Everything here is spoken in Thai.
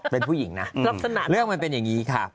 เป็นผู้หญิงนะลักษณะเรื่องมันเป็นอย่างนี้ค่ะ